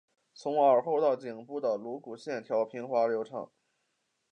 从耳后到颈部的颅骨线条平滑流畅。